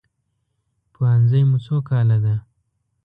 پوهنځی مو څو کاله ده؟